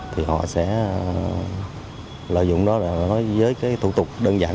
thì họ sẽ lợi dụng đó là nói với cái thủ tục đơn giản